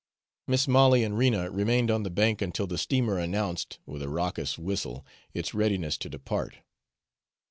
Mis' Molly and Rena remained on the bank until the steamer announced, with a raucous whistle, its readiness to depart.